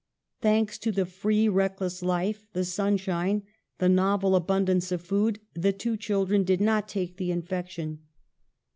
Thanks to the free, reckless life, the sunshine, the novel abundance of food, the two children did not take the infection.